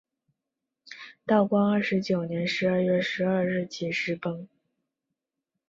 道光二十九年十二月十二日巳时崩。